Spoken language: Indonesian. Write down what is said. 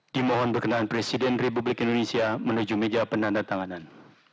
di mohon perkenaan presiden republik indonesia menuju meja penanda tanganan